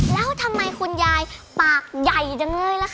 แล้วทำไมคุณยายปากใหญ่จังเลยล่ะค่ะ